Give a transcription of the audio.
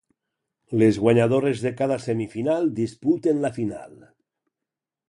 Les guanyadores de cada semifinal disputen la final.